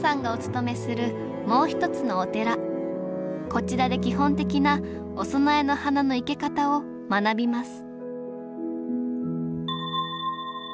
こちらで基本的なお供えの花の生け方を学びます